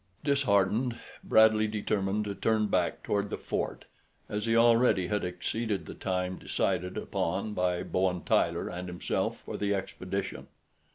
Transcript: Disheartened, Bradley determined to turn back toward the fort, as he already had exceeded the time decided upon by Bowen Tyler and himself for the expedition.